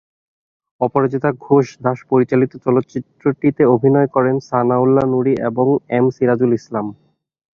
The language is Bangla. অপরাজিতা ঘোষ দাশ পরিচালিত চলচ্চিত্রটিতে অভিনয় করেন সানাউল্লাহ নূরী এবং এম সিরাজুল ইসলাম।